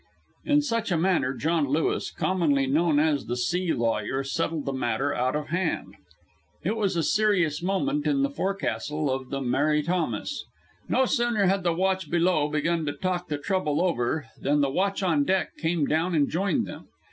In such manner John Lewis, commonly known as the "sea lawyer," settled the matter out of hand. It was a serious moment in the forecastle of the Mary Thomas. No sooner had the watch below begun to talk the trouble over, than the watch on deck came down and joined them.